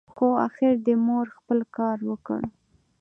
خو اخر دي مور خپل کار وکړ !